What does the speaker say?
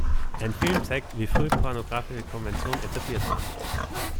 Ein Film zeigt, wie früh pornografische Konventionen etabliert waren.